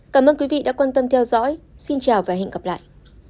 cảm ơn quý vị đã quan tâm theo dõi xin chào và hẹn gặp lại